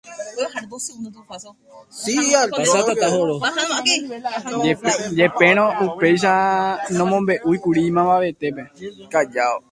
Jepérõ upéicha nomombe'úikuri mavavetépe.